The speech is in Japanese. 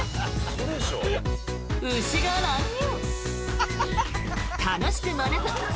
牛が乱入。